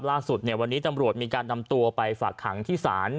ล่าสุดวันนี้ตำรวจมีการนำตัวไปฝากขังที่ศาล